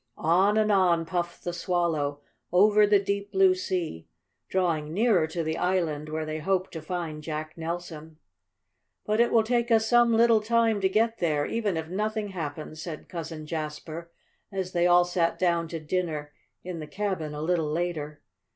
On and on puffed the Swallow, over the deep blue sea, drawing nearer to the island where they hoped to find Jack Nelson. "But it will take us some little time to get there, even if nothing happens," said Cousin Jasper, as they all sat down to dinner in the cabin a little later.